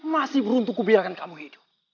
masih beruntung kubiarkan kamu hidup